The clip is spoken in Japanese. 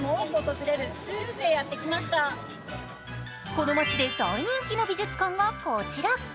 この街で大人気の美術館がこちら。